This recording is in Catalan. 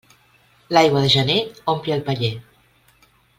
L'aigua de gener ompli el paller.